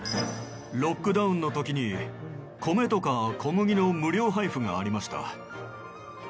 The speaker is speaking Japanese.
ロックダウンの時に米とか小麦の無料配布がありました。